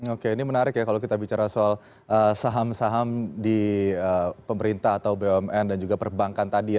oke ini menarik ya kalau kita bicara soal saham saham di pemerintah atau bumn dan juga perbankan tadi ya